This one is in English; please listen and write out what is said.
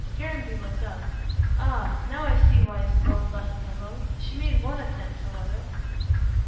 Caranby looked up. "Ah! Now I see why Isabella left me alone. She made one attempt, however."